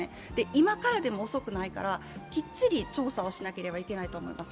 今からでも遅くないから、きっちり調査をしなければいけないと思います。